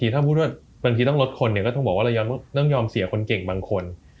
ถ้าพูดว่าบางทีต้องลดคนเนี่ยก็ต้องบอกว่าเราต้องยอมเสียคนเก่งบางคน